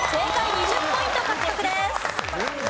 ２０ポイント獲得です。